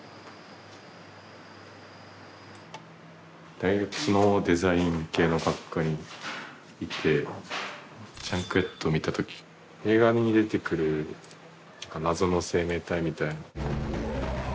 大学のデザイン系の学科にいて「ＪＵＮＫＨＥＡＤ」見た時映画に出てくる謎の生命体みたいな。